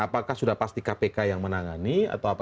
apakah sudah pasti kpk yang menangani atau apa